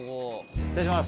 失礼します！